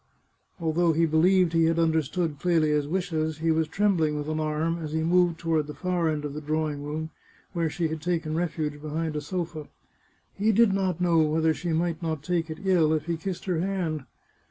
Although he believed he had under stood Clelia's wishes, he was trembling with alarm as he moved toward the far end of the drawing room, where she had taken refuge behind a sofa. He did not know whether she might not take it ill if he kissed her hand.